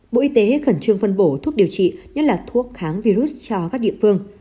bộ y tế khẩn trương phân bổ thuốc điều trị nhất là thuốc kháng virus cho các địa phương